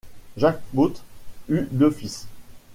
Jacques Pauthe eut deux fils.